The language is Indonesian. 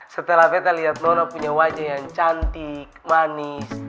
setelah peta lihat nona punya wajah yang cantik manis